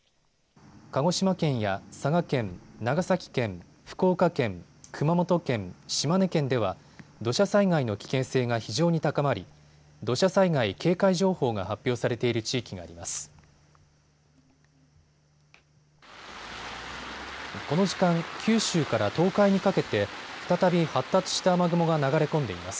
鹿児島県や佐賀県、長崎県、福岡県、熊本県、島根県では土砂災害の危険性が非常に高まり土砂災害警戒情報が発表されている地域があります。